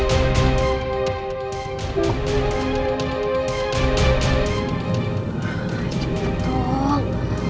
aduh egg crusader